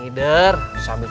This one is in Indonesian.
ya udah tuh deh